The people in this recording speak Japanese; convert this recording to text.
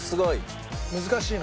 難しいの？